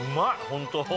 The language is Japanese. ホント。